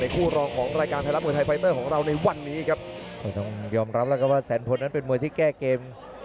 ก็ต้องยอมรับแล้วก็ว่าแสนพลนั้นเป็นมัวที่แก้เกม